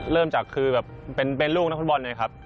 เริ่มจากคือแบบเป็นลูกนักฟุตบอลเลยครับ